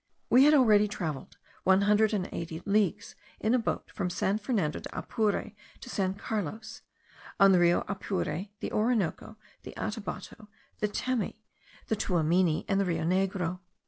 We had already travelled one hundred and eighty leagues in a boat from San Fernando de Apure to San Carlos, on the Rio Apure, the Orinoco, the Atabapo, the Temi, the Tuamini, and the Rio Negro.